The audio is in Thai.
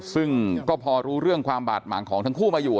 ซึ่งก็พอรู้เรื่องความบาดหมางของทั้งคู่มาอยู่